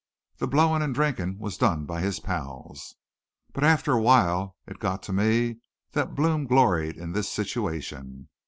The blowin' an' drinkin' was done by his pals. But after a little while it got to me that Blome gloried in this situation.